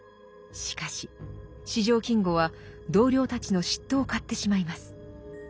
しかし四条金吾は同僚たちの嫉妬を買ってしまいます。